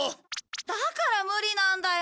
だから無理なんだよ